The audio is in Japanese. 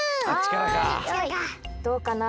どうかな？